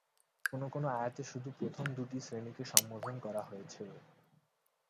কোন কোন আয়াতে শুধু প্রথম দুটি শ্রেণীকে সম্বোধন করা হয়েছে।